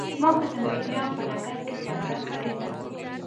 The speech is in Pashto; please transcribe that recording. ما که د مېډیا په ډګر کې جګړه کړې ده.